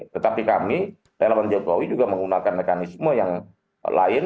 tetapi kami relawan jokowi juga menggunakan mekanisme yang lain